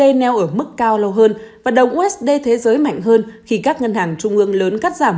vneio ở mức cao lâu hơn và đồng usd thế giới mạnh hơn khi các ngân hàng trung ương lớn cắt giảm